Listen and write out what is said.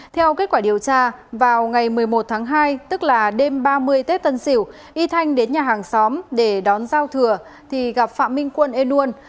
theo kết quả điều tra vào ngày một mươi một tháng hai tức là đêm ba mươi tết tân sỉu y thanh đến nhà hàng xóm để đón giao thừa thì gặp phạm minh quân ê nuôn